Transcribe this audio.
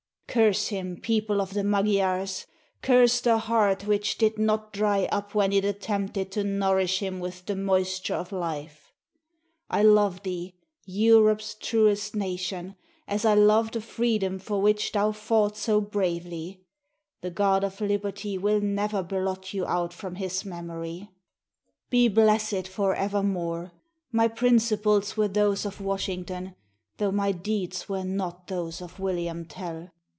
Curse him, people of the Magyars! curse the heart which did not dry up when it attempted to nourish him with the moisture of life ! I love thee, Europe's truest nation! as I love the free dom for which thou fought so bravely! The God of lib erty will never blot you out from His memory. Be blessed for evermore ! My principles were those of Wash ington, though my deeds were not those of William Tell!